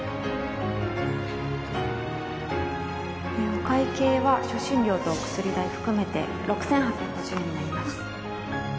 お会計は初診料とお薬代含めて６８５０円になります。